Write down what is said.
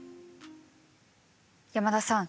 山田さん